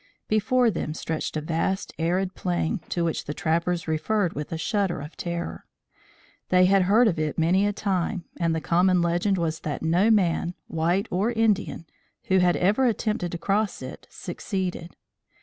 Before them stretched a vast arid plain to which the trappers referred with a shudder of terror. They had heard of it many a time and the common legend was that no man white or Indian who had ever attempted to cross it, succeeded.